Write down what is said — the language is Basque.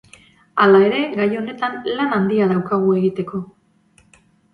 Hala ere, gai honetan lan handia daukagu egiteko.